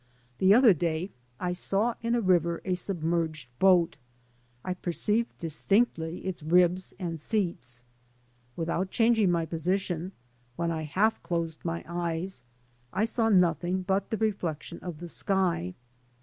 The other day I saw in a river a submerged boat. I perceived distinctly its ribs and seats. Without changing my position, when I half closed my eyes, I saw nothing but the reflection of the sky.